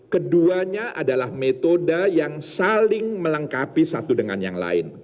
keduanya adalah metode yang saling melengkapi satu dengan yang lain